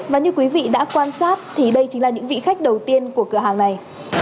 và như quý vị đã quan sát thì đây chính là những vị khách đầu tiên của cửa hàng này